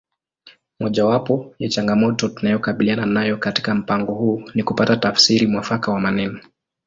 Mojawapo ya changamoto tunayokabiliana nayo katika mpango huu ni kupata tafsiri mwafaka ya maneno